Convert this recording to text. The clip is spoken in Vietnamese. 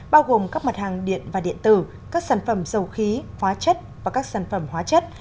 bao gồm các mặt hàng điện và điện tử các sản phẩm dầu khí hóa chất và các sản phẩm hóa chất